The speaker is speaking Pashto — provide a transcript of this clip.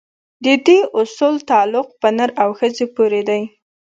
د دې اصول تعلق په نر او ښځې پورې دی.